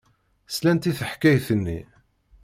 Slant i teḥkayt-nni.